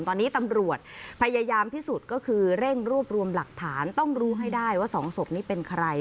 ตอนนี้ตำรวจพยายามที่สุดก็คือเร่งรวบรวมหลักฐานต้องรู้ให้ได้ว่าสองศพนี้เป็นใคร